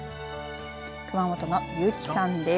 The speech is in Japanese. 熊本の結城さんです。